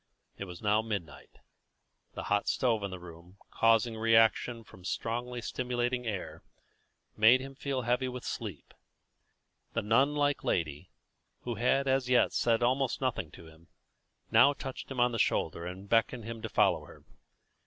It was now midnight. The hot stove in the room, causing reaction from the strongly stimulating air, made him again feel heavy with sleep. The nun like lady, who had as yet said almost nothing to him, now touched him on the shoulder and beckoned him to follow her.